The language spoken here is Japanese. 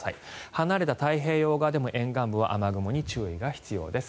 離れた太平洋側でも沿岸部は雨雲に注意が必要です。